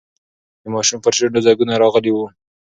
د ماشوم پر شونډو ځگونه راغلي وو.